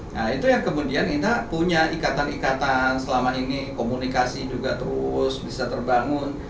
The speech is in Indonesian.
nah itu yang kemudian kita punya ikatan ikatan selama ini komunikasi juga terus bisa terbangun